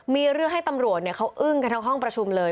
มีเรื่องให้ตำรวจเขาอึ้งกันทั้งห้องประชุมเลย